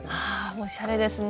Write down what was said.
おしゃれですね。